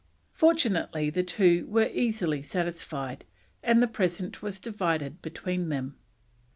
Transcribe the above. Fortunately the two were easily satisfied, and the present was divided between them.